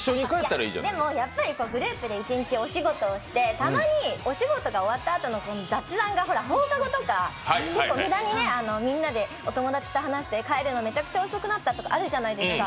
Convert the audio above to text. でもやっぱりグループで一日お仕事をしてたまにお仕事が終わったあとの雑談が、放課後とか結構無駄にみんなでお友達と話して帰るのめちゃめちゃ遅くなったとかあるじゃないですか。